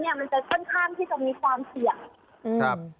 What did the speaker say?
เพราะฉะนั้นมันจะค่อนข้างที่จะมีความเสี่ยง